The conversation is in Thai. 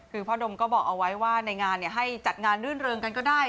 คือพ่อดมก็บอกเอาไว้ว่าในงานให้จัดงานรื่นเริงกันก็ได้